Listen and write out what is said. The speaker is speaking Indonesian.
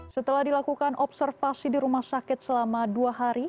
setelah dilakukan observasi di rumah sakit selama dua hari